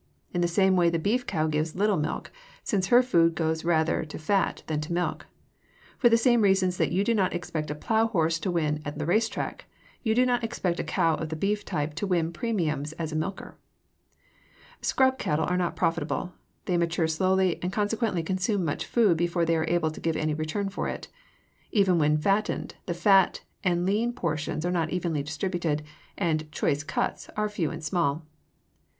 In the same way the beef cow gives little milk, since her food goes rather to fat than to milk. For the same reasons that you do not expect a plow horse to win on the race track, you do not expect a cow of the beef type to win premiums as a milker. [Illustration: FIG. 249. JERSEY COW (A DAIRY TYPE)] "Scrub" cattle are not profitable. They mature slowly and consequently consume much food before they are able to give any return for it. Even when fattened, the fat and lean portions are not evenly distributed, and "choice cuts" are few and small.